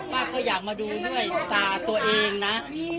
ป้าก็อยากมาดูด้วยตาตัวเองนะ